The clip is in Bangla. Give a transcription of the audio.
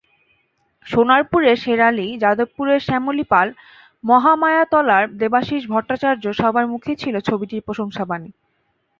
সোনারপুরের শের আলী, যাদবপুরের শ্যামলী পাল, মহামায়াতলার দেবাশীষ ভট্টাচার্য—সবার মুখেই ছিল ছবিটির প্রশংসাবাণী।